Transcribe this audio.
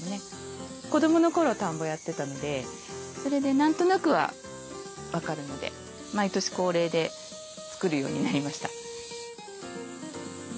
子どもの頃田んぼやってたのでそれで何となくは分かるので毎年恒例で作るようになりました。